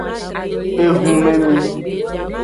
Ehumemi.